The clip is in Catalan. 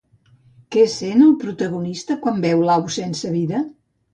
Què sent, el protagonista, quan veu l'au sense vida?